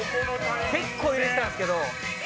結構入れてたんすけど。